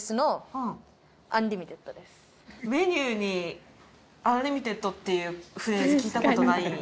メニューにアンリミテッドっていうフレーズ聞いた事ない。